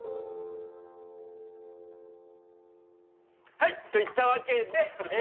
はい！といったわけでええ